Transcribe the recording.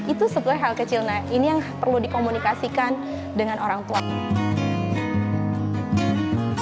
itu sebenarnya hal kecil nah ini yang perlu dikomunikasikan dengan orang tua